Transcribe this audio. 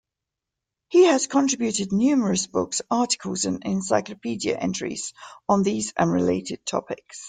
He has contributed numerous books, articles and encyclopedia entries on these and related topics.